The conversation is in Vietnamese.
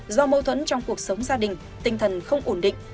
do mâu thuẫn trong cuộc sống gia đình tinh thần không ổn định